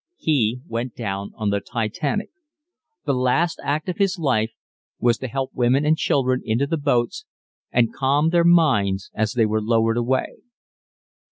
He went down on the Titanic. The last act of his life was to help women and children into the boats and calm their minds as they were lowered away.